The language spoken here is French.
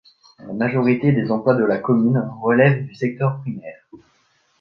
La majorité des emplois de la commune relèvent du secteur primaire.